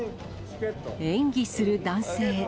演技する男性。